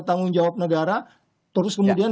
tanggung jawab negara terus kemudian